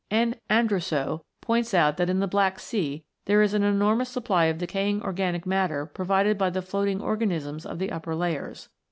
N. Andrussow(*2) points out that in the Black Sea there is an enormous supply of decaying organic matter provided by the floating organisms of the upper layers.